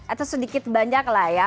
atau sedikit banyak lah ya